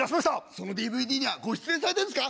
「そのＤＶＤにはご出演されてるんですか？」。